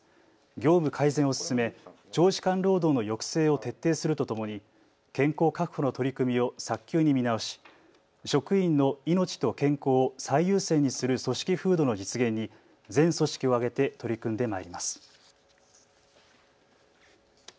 業務改善を進め長時間労働の抑制を徹底するとともに健康確保の取り組みを早急に見直し職員の命と健康を最優先にする組織風土の実現に全組織を挙げて取り組んでまいります。